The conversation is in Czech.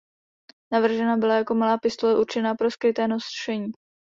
Navržena byla jako malá pistole určená pro skryté nošení.